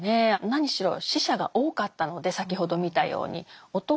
何しろ死者が多かったので先ほど見たように。